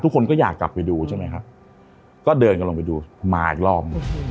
ทุกคนก็อยากกลับไปดูใช่ไหมครับก็เดินกันลงไปดูมาอีกรอบหนึ่ง